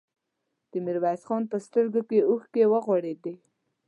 د ميرويس خان په سترګو کې اوښکې ورغړېدې.